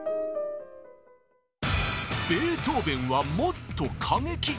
ベートーベンはもっと過激。